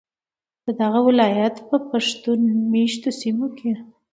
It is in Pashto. ددغه ولایت په پښتون میشتو سیمو کې